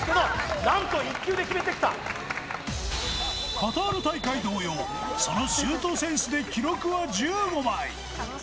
カタール大会同様、そのシュートセンスで記録は１５枚。